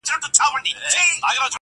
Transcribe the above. د هغه ږغ زما د ساه خاوند دی~